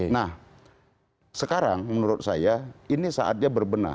nah sekarang menurut saya ini saatnya berbenah